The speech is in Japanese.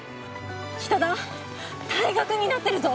☎北田退学になってるぞ